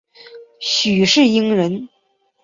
许世英人。